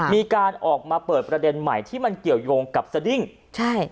มีการออกมาเปิดประเด็นใหม่ที่มันเกี่ยวยงกับสดิ้งใช่